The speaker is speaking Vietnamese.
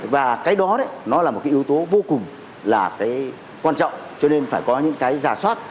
và cái đó đấy nó là một cái yếu tố vô cùng là cái quan trọng cho nên phải có những cái giả soát